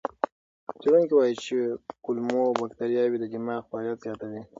څېړونکي وایي چې کولمو بکتریاوې د دماغ فعالیت زیاتوي.